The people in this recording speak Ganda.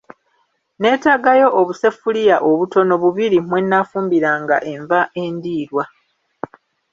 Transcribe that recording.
Neetaagayo obuseffuliya obutono bubiri mwe nnaafumbiranga enva endiirwa.